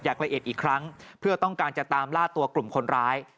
อย่างละเอียดอีกครั้งเพื่อต้องการจะตามล่าตัวกลุ่มคนร้าย